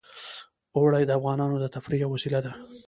اوړي د افغانانو د تفریح یوه وسیله ده.